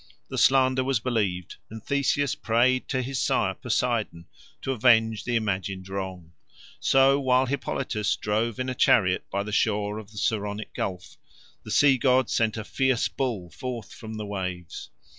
The slander was believed, and Theseus prayed to his sire Poseidon to avenge the imagined wrong. So while Hippolytus drove in a chariot by the shore of the Saronic Gulf, the sea god sent a fierce bull forth from the waves.